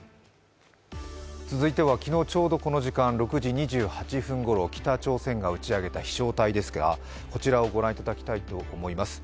続いては昨日ちょうどこの時間北朝鮮が打ち上げた飛翔体ですが、こちらをご覧いただきたいと思います。